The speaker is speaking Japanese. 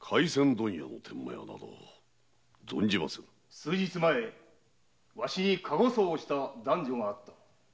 数日前わしに駕籠訴をした男女がある。